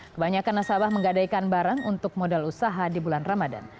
kebanyakan nasabah menggadaikan barang untuk modal usaha di bulan ramadan